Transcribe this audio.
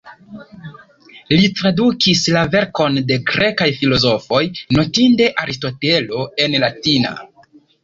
Li tradukis la verkon de grekaj filozofoj, notinde Aristotelo, en latina.